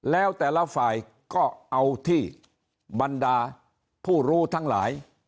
แล้วแต่ละฝ่ายก็เอาที่บรรดาผู้รู้ทั้งหลาย